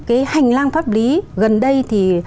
cái hành lang pháp lý gần đây thì